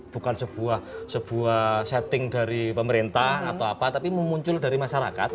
bukan sebuah setting dari pemerintah atau apa tapi memuncul dari masyarakat